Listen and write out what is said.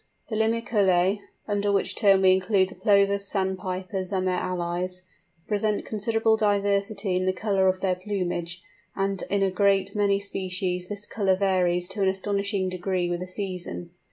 The Limicolæ (under which term we include the Plovers, Sandpipers, and their allies) present considerable diversity in the colour of their plumage, and in a great many species this colour varies to an astonishing degree with the season.